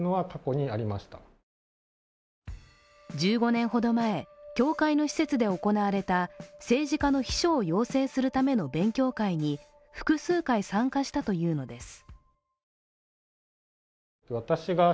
１５年ほど前、教会の施設で行われた政治家の秘書を養成するための勉強会に複数回参加したというのです。